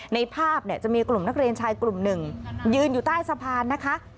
ในภาพเนี่ยจะมีกลุ่มนักเรียนชายกลุ่มหนึ่งยืนอยู่ใต้สะพานนะคะ